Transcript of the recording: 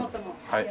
はい。